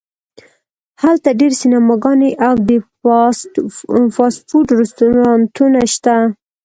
هلته ډیر سینماګانې او د فاسټ فوډ رستورانتونه شته